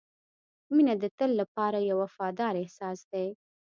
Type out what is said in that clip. • مینه د تل لپاره یو وفادار احساس دی.